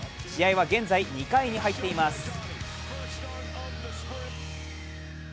試合は現在２回に入っています。